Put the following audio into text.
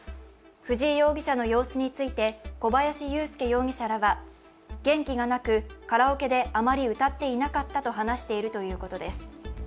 藤井容疑者の様子について小林優介容疑者らは元気がなくカラオケであまり歌っていなかったと話しているということです。